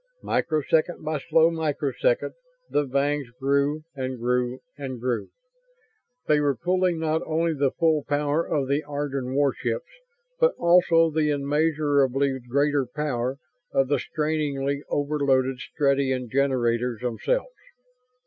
Microsecond by slow microsecond the Vangs grew and grew and grew. They were pulling not only the full power of the Ardan warships, but also the immeasurably greater power of the strainingly overloaded Strettsian generators themselves.